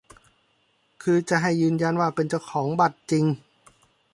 คือจะให้ยืนยันว่าเป็นเจ้าของบัตรจริง